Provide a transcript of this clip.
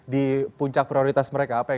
di puncak prioritas mereka apa yang